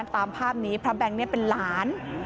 ตามภาพนี้พระแบงค์เป็นหลาน